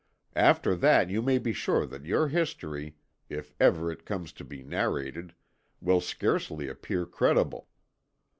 After that you may be sure that your history, if ever it comes to be narrated, will scarcely appear credible.